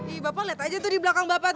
ii bapak lihat aja tuh di belakang bapak tuh